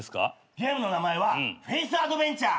ゲームの名前はフェイスアドベンチャー。